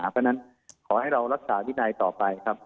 เพราะฉะนั้นขอให้เรารักษาวินัยต่อไปครับ